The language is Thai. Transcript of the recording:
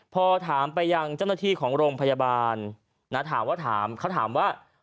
พอถามไปยังเจ้าหน้าที่ของโรงพยาบาลนะถามว่าถามเขาถามว่า